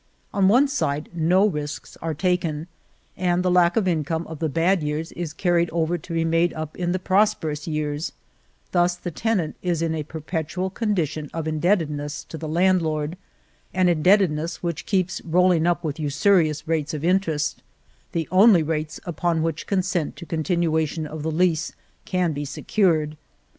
On one side no risks are taken, and the lack of income of the bad years is carried over to be made up in the prosperous years ; thus the tenant is in a perpetual condition of indebtedness to the landlord, an indebtedness which keeps rolling up with usurious rates of interest, the only rates upon which consent to continuation of the lease can be secured.